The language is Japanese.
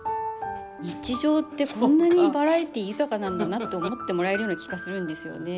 日常ってこんなにバラエティー豊かなんだなって思ってもらえるような気がするんですよね。